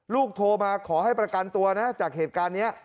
โทรมาขอให้ประกันตัวนะจากเหตุการณ์นี้